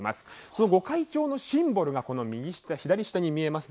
その御開帳のシンボルが左下に見えます